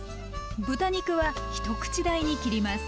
豚肉は一口大に切ります。